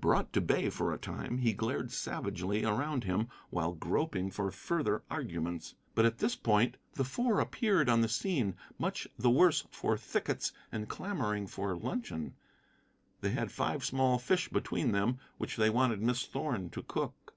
Brought to bay for a time, he glared savagely around him while groping for further arguments. But at this point the Four appeared on the scene, much the worse for thickets, and clamoring for luncheon. They had five small fish between them which they wanted Miss Thorn to cook.